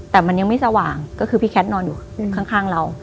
แต่มันยังไม่สว่างก็คือพี่แคทนอนอยู่ข้างเรา